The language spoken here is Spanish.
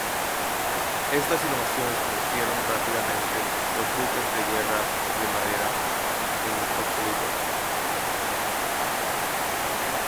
Estas innovaciones convirtieron rápidamente los buques de guerra de madera en obsoletos.